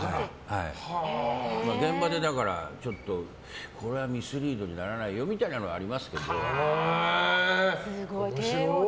現場で、これはミスリードにならないよみたいなのはすごい、帝王だ。